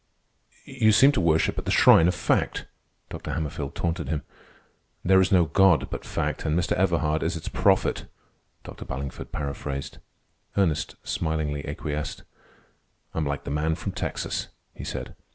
"You seem to worship at the shrine of fact," Dr. Hammerfield taunted him. "There is no God but Fact, and Mr. Everhard is its prophet," Dr. Ballingford paraphrased. Ernest smilingly acquiesced. "I'm like the man from Texas," he said.